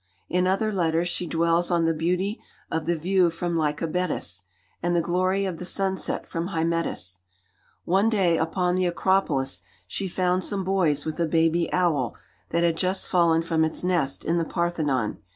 In other letters she dwells on the beauty of the view from Lycabettus, and the glory of the sunset from Hymettus. One day upon the Acropolis she found some boys with a baby owl that had just fallen from its nest in the Parthenon.